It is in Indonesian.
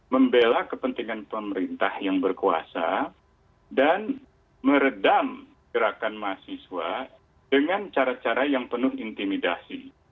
membela kepentingan pemerintah yang berkuasa dan meredam gerakan mahasiswa dengan cara cara yang penuh intimidasi